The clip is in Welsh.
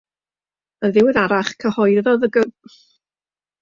Yn ddiweddarach cyhoeddodd y gweithredwyr gyfnod o dair wythnos heb dollau.